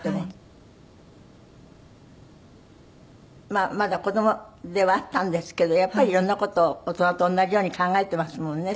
まあまだ子どもではあったんですけどやっぱりいろんな事を大人と同じように考えてますもんね